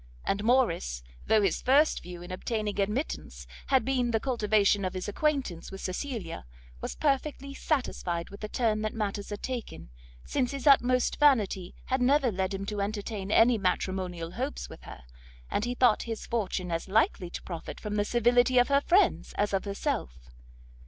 And Morrice, though his first view in obtaining admittance had been the cultivation of his acquaintance with Cecilia, was perfectly satisfied with the turn that matters had taken, since his utmost vanity had never led him to entertain any matrimonial hopes with her, and he thought his fortune as likely to profit from the civility of her friends as of herself.